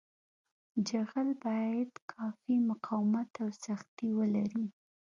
جغل باید کافي مقاومت او سختي ولري